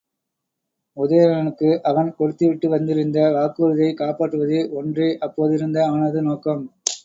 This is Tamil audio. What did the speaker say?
உதயணனுக்கு அவன் கொடுத்துவிட்டு வந்திருந்த வாக்குறுதியைக் காப்பாற்றுவது ஒன்றே அப்போதிருந்த அவனது நோக்கம்.